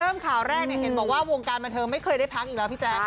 ข่าวแรกเนี่ยเห็นบอกว่าวงการบันเทิงไม่เคยได้พักอีกแล้วพี่แจ๊ค